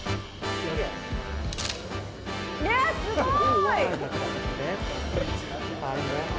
いやすごい！